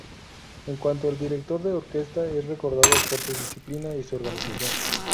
En cuanto director de orquesta es recordado por su disciplina y su organización.